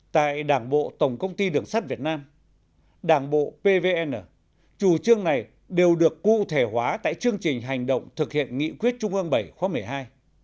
tại đảng bộ tổng công ty đường sắt việt nam đảng bộ pvn chủ trương này đều được cụ thể hóa tại chương trình hành động thực hiện nghị quyết trung ương bảy khóa một mươi hai